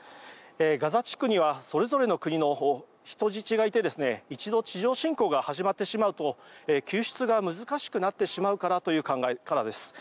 ガザ地区にはそれぞれの国の人質がいて一度、地上侵攻が始まれば救出が難しくなってしまうという考えからです。